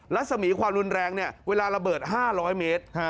รัศมีความรุนแรงเวลาระเบิด๕๐๐เมตร